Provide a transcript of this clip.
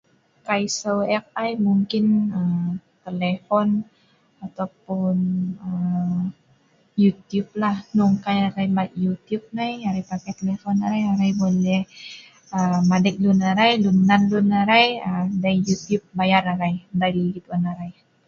Kai sou eek, telepon atau YouTube.kai arai mat telpon arai boleh nal YouTube bayar arai